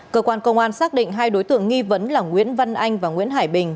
cơ quan công an xác định hai đối tượng nghi vấn là nguyễn văn anh và nguyễn hải bình